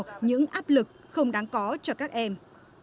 và những áp lực không đáng có cho các em